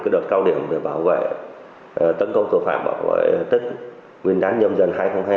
đợt cao điểm để bảo vệ tấn công tội phạm bảo vệ tất nguyên đán nhâm dần hai nghìn hai mươi hai